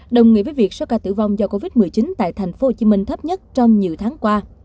đồng nghĩa với việc số ca tử vong do covid một mươi chín tại tp hcm thấp nhất trong nhiều tháng qua